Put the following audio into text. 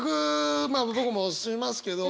まあ僕もしますけど。